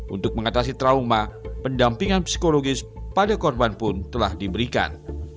untuk mengatasi trauma pendampingan psikologis pada korban pun telah diberikan